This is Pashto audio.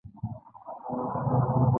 وفاداري د دوستۍ او اړیکو ساتونکی دی.